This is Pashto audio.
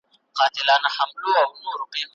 زه به کابل ته لاړشم